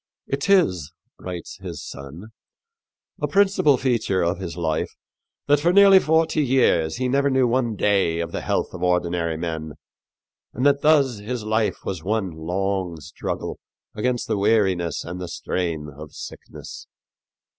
"It is," writes his son, "a principal feature of his life that for nearly forty years he never knew one day of the health of ordinary men, and that thus his life was one long struggle against the weariness and the strain of sickness."